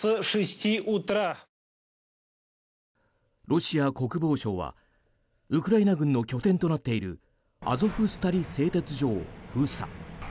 ロシア国防省はウクライナ軍の拠点となっているアゾフスタリ製鉄所を封鎖。